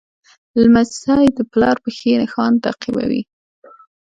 لمسی د پلار پښې نښان تعقیبوي.